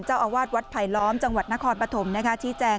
เจ้าอาวาสวัดไผลล้อมจังหวัดนครปฐมชี้แจง